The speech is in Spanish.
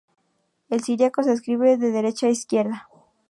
El siriaco se escribe de derecha a izquierda.